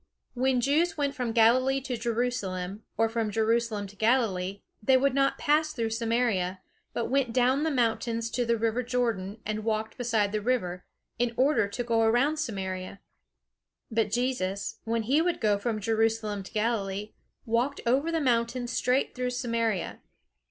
When Jews went from Galilee to Jerusalem, or from Jerusalem to Galilee, they would not pass through Samaria, but went down the mountains to the river Jordan, and walked beside the river, in order to go around Samaria. But Jesus, when he would go from Jerusalem to Galilee, walked over the mountains straight through Samaria.